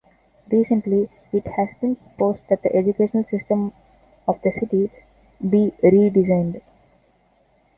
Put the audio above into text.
Recently, it has been proposed that the educational system of the city be redesigned.